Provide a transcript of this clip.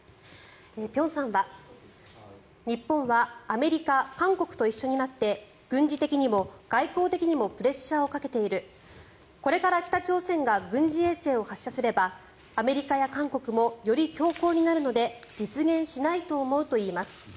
辺さんは日本はアメリカ、韓国と一緒になって軍事的にも外交的にもプレッシャーをかけているこれから北朝鮮が軍事衛星を発射すればアメリカや韓国もより強硬になるので実現しないと思うといいます。